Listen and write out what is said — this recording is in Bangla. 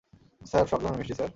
স্যার, সব ধরনের মিষ্টি, স্যার।